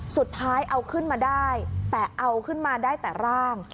สุดท้ายเอาขึ้นมาได้แต่เอาขึ้นมาได้แต่ร่าง